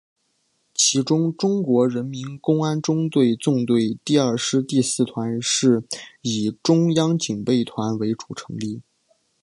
其中中国人民公安中央纵队第二师第四团是以中央警备团为主成立。